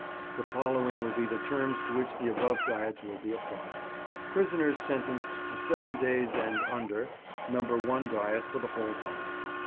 The following will be the terms to which the above diets will be applied:— Prisoners sentenced to seven days and under, No. 1 diet for the whole time.